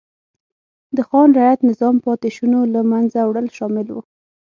د خان رعیت نظام پاتې شونو له منځه وړل شامل و.